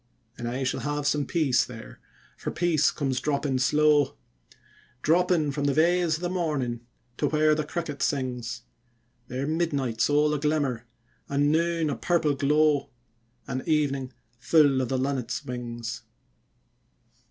And I shall have some peace there, for peace comes dropping slow, Dropping from the veils of the morning to where the cricket sings; There midnight's all a glimmer, and noon a purple glow, And evening full of the linnets' wings.